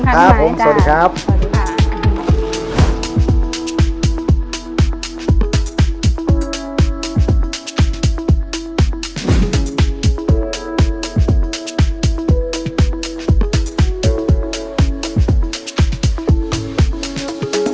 ค่ะขอบคุณค่ะพี่มายจ้ะสวัสดีครับสวัสดีค่ะขอบคุณค่ะ